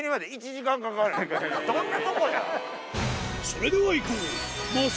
それではいこう！